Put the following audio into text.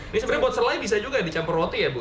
ini sebenarnya buat selai bisa juga dicampur roti ya bu